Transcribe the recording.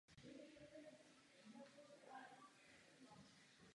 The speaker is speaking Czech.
Ves sleduje ostatně tok "Černého potoka".